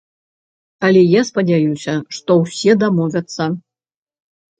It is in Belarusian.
Але я спадзяюся, што ўсе дамовяцца.